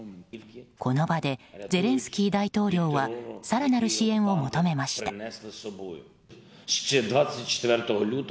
この場でゼレンスキー大統領は更なる支援を求めました。